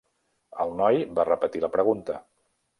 El noi va repetir la pregunta.